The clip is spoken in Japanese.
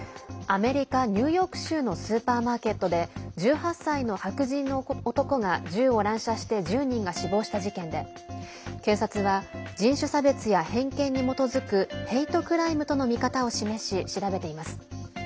アメリカ・ニューヨーク州のスーパーマーケットで１８歳の白人の男が銃を乱射して１０人が死亡した事件で警察は、人種差別や偏見に基づくヘイトクライムとの見方を示し調べています。